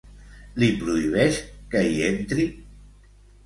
Li prohibeix que hi entri?